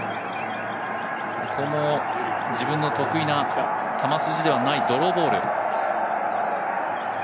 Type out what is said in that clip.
ここも自分の得意な球筋ではないドローボール。